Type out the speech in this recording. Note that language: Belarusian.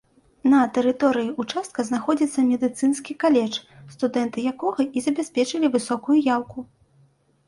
На тэрыторыі ўчастка знаходзіцца медыцынскі каледж, студэнты якога і забяспечылі высокую яўку.